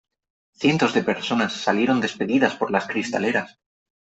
cientos de personas salieron despedidas por las cristaleras .